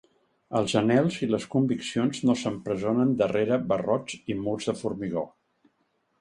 Els anhels i les conviccions no s’empresonen darrere barrots i murs de formigó.